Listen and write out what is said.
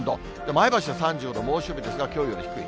前橋は３５度、猛暑日ですが、きょうより低い。